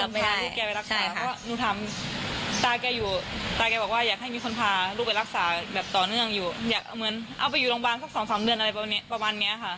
แบบต่อเนื่องอยู่อยากเอาไปอยู่โรงพยาบาลสักสองสามเดือนอะไรประมาณเนี้ยค่ะ